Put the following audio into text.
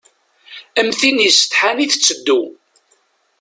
Am tin isetḥan i tetteddu.